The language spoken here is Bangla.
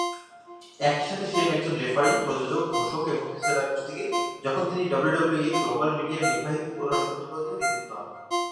একই সাথে শেন একজন রেফারি, প্রযোজক, ঘোষক এবং পেশাদার কুস্তিগীর, যখন তিনি ডাব্লিউডাব্লিউইর গ্লোবাল মিডিয়ার নির্বাহী উপরাষ্ট্রপতি পদে নিযুক্ত হন।